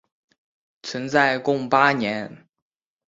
存在共八年。